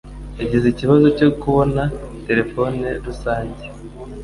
yagize ikibazo cyo kubona terefone rusange.